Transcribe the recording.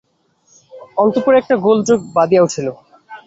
অন্তঃপুরে একটা গোলযােগ বাধিয়া উঠিল।